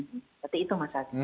seperti itu mas ali